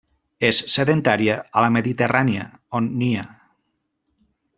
És sedentària a la Mediterrània, on nia.